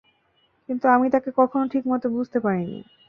কিন্তু, আমি তাকে কখনও ঠিক মতো বুঝতে পারি নি।